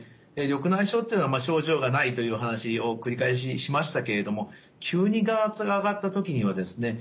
緑内障っていうのは症状がないという話を繰り返ししましたけれども急に眼圧が上がった時にはですね